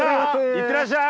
いってらっしゃい！